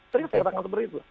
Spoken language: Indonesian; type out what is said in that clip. tadi kan saya katakan seperti itu